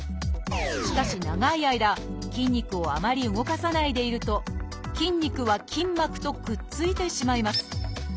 しかし長い間筋肉をあまり動かさないでいると筋肉は筋膜とくっついてしまいます。